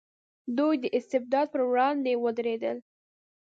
دوی د استبداد پر وړاندې ودرېدل.